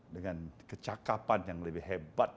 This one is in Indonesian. dengan kecakapan yang lebih hebat